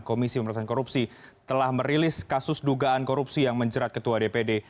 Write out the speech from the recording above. komisi pemerintahan korupsi telah merilis kasus dugaan korupsi yang menjerat ketua dpd